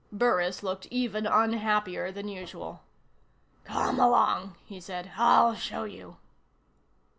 Burris looked even unhappier than usual. "Come along," he said. "I'll show you."